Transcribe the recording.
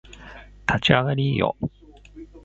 立ち上がりーよ